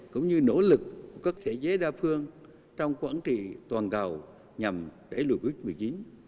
cũng như nỗ lực của các thế giới đa phương trong quản trị toàn cầu nhằm đẩy lùi covid một mươi chín